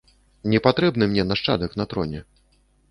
Не патрэбны мяне нашчадак на троне.